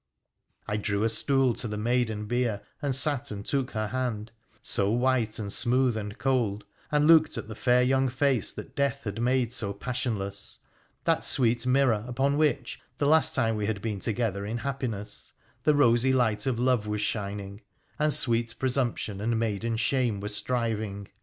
I drew a stool to the maiden bier, and sat and took her hand, so white and smooth and cold, and looked at the fair young face that death had made so passionless — that sweet mirror upon which, the last time we had been together in happiness, the rosy light of love was shining and sweet presumption and maiden shame were striving.